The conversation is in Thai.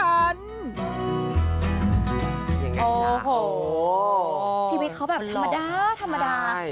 อย่างไรล่ะโอ้โฮชีวิตเขาแบบธรรมดา